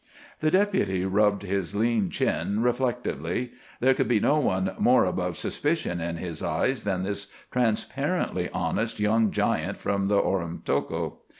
The Deputy rubbed his lean chin reflectively. There could be no one more above suspicion in his eyes than this transparently honest young giant from the Oromocto.